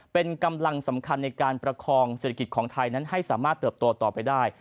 เป็นกำลังสำคัญในการประคองเศรษฐกิจของไทยนั้นให้สามารถเติบโตต่อไปได้